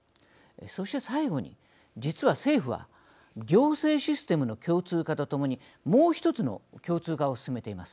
そして最後に、実は政府は行政システムの共通化とともにもう一つの共通化を進めています。